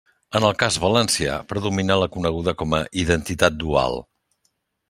En el cas valencià predomina la coneguda com a «identitat dual».